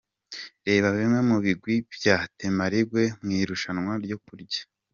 Reba bimwe mu bigwi bya Temarigwe mu irushanwa ryo kurya .